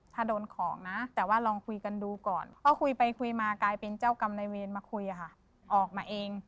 ถ้าโดนของนะแต่ว่าลองคุยกันดูก่อนเพราะคุยไปคุยมากลายเป็นเจ้ากรรมในเวรมาคุยอะค่ะออกมาเอง